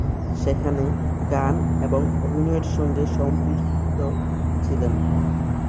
সেখানে গান এবং অভিনয়ের সঙ্গে সম্পৃক্ত ছিলেন।